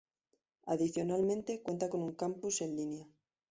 Adicionalmente cuenta con un Campus en Línea.